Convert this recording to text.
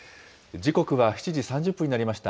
時刻は７時３０分になりました。